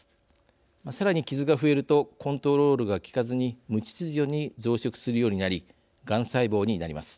さらにキズが増えるとコントロールが利かずに無秩序に増殖するようになりがん細胞になります。